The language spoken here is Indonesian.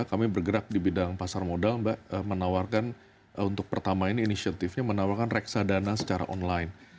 kami bergerak di bidang pasar modal mbak menawarkan untuk pertama ini inisiatifnya menawarkan reksadana secara online